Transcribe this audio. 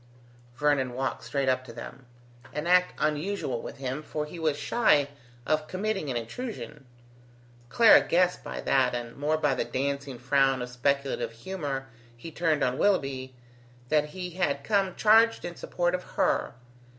Vernon walked straight up to them: an act unusual with him, for he was shy of committing an intrusion. Clara guessed by that, and more by the dancing frown of speculative humour he turned on Willoughby, that he had come charged in support of her.